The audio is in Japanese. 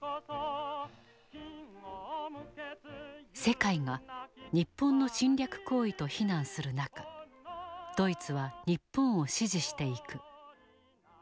世界が日本の侵略行為と非難する中ドイツは日本を支持していく。